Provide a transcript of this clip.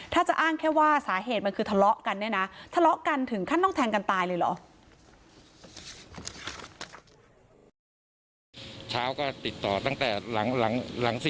ถ้าจะอ้างแค่ว่าสาเหตุมันคือทะเลาะกันเนี่ยนะทะเลาะกันถึงขั้นต้องแทงกันตายเลยเหรอ